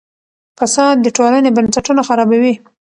فساد د ټولنې بنسټونه خرابوي.